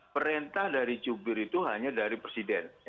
perintah dari jubir itu hanya dari presiden